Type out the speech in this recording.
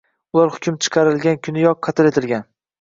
Ular hukm chiqarilgan kuniyoq, qatl etilgan...